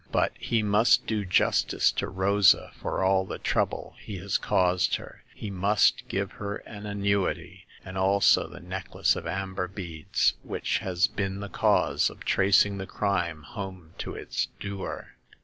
But he must do justice to Rosa for all the trouble he has caused her. He must give her an annuity, and also the necklace of amber beads, which has been the cause of tracing the crime home to its doer.